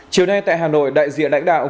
chiều nay tại hà nội đại diện đại đạo